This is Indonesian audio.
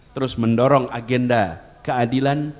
terus mendorong agenda keadilan